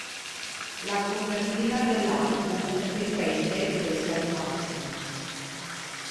La copertina dell'album riprende questa immagine.